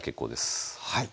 はい。